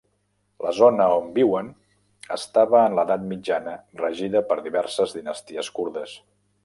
La zona on viuen estava en l'edat mitjana regida per diverses dinasties kurdes.